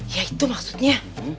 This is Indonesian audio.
ya itu maksudnya